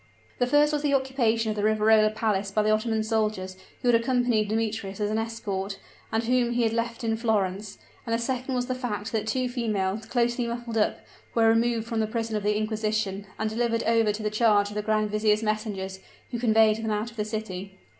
The first was the occupation of the Riverola Palace by the Ottoman soldiers who had accompanied Demetrius as an escort, and whom he had left in Florence; and the second was the fact that two females, closely muffled up, were removed from the prison of the inquisition, and delivered over to the charge of the grand vizier's messengers, who conveyed them out of the city.